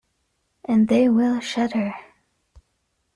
And they will shudder.